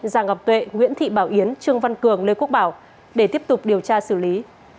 giàng ngọc tuệ nguyễn thị bảo yến trương văn cường lê quốc bảo để tiếp tục điều tra xử lý